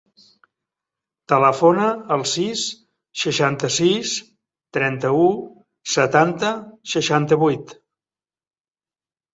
Telefona al sis, seixanta-sis, trenta-u, setanta, seixanta-vuit.